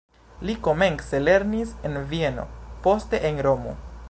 Li komence lernis en Vieno, poste en Romo.